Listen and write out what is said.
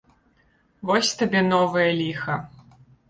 Вось табе новае ліха.